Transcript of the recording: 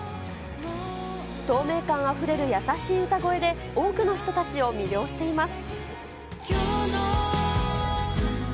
透明感あふれる優しい歌声で多くの人たちを魅了しています。